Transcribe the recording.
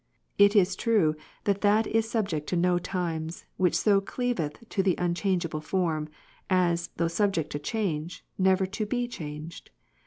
It is true, that that is sub ject to no times, which so cleaveth to the unchangeable Form, as, though subject to change, never to be changed.